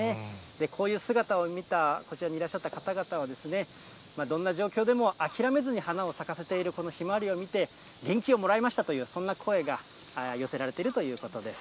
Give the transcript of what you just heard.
こういう姿を見た、こちらにいらっしゃった方々はですね、どんな状況でも諦めずに花を咲かせている、このひまわりを見て、元気をもらいましたという、そんな声が寄せられているということです。